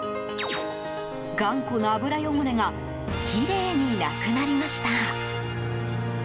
頑固な油汚れがきれいになくなりました。